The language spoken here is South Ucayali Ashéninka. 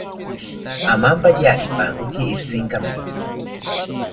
Amampaya ipankoki Itzinkami